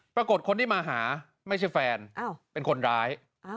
ปรากฏคนที่มาหาไม่ใช่แฟนเป็นคนร้าย